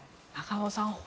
中野さん